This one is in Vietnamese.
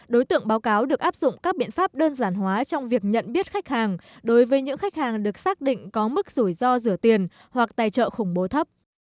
đối tượng báo cáo được áp dụng các biện pháp đơn giản hóa trong việc nhận biết khách hàng đối với những khách hàng được xác định có mức rủi ro rửa tiền hoặc tài trợ khủng bố thấp